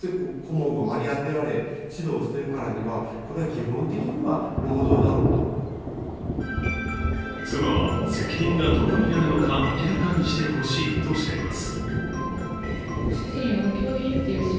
専門家は妻は、責任がどこにあるのか明らかにしてほしいとしています。